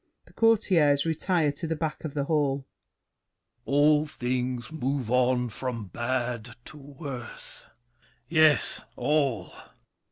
The Courtiers retire to the back of the hall THE KING. All things move on from bad to worse. Yes, all!